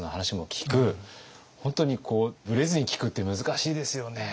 本当にブレずに聞くって難しいですよね。